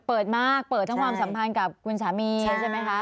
เปิดมากเปิดทั้งความสัมพันธ์กับคุณสามีใช่ไหมคะ